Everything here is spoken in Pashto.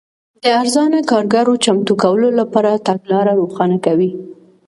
د ارزانه کارګرو چمتو کولو لپاره تګلاره روښانه کوي.